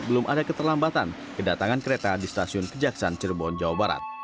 belum ada keterlambatan kedatangan kereta di stasiun kejaksan cirebon jawa barat